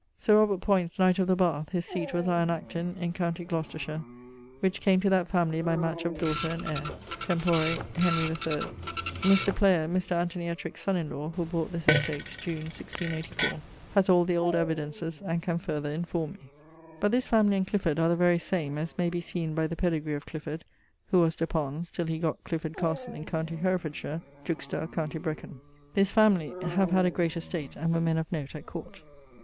Sir Robert Poynts, knight of the Bath; his seate was Iron Acton, in com. Gloc., which came to that family by match of daughter and heire, tempore Hen. III. Mr. Player, Mr. Anthony Ettrick's son in lawe, who bought this estate, June, 1684, haz all the old evidences, and can farther enforme me. But this family and Clifford are the very same, as may be seen by the pedegre of Clifford, who was de Pons till he gott Clifford castle, in com. Hereff. juxta com. Brecon. This family have had a great estate, and were men of note at Court.